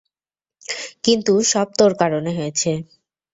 কিন্তু, সব তোর কারণে হয়েছে।